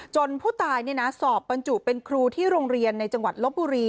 ผู้ตายสอบบรรจุเป็นครูที่โรงเรียนในจังหวัดลบบุรี